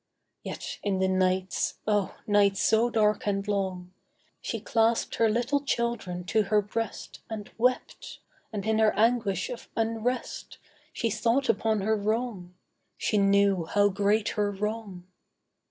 Yet in the nights (oh! nights so dark and long) She clasped her little children to her breast And wept. And in her anguish of unrest She thought upon her wrong; She knew how great her wrong.